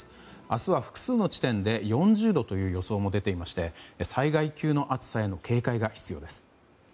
明日は複数の地点で４０度という予想も出ていまして災害級の暑さへの警戒が必要です。